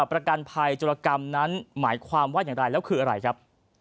ประกันภัยจุรกรรมนั้นหมายความว่าอย่างไรแล้วคืออะไรครับ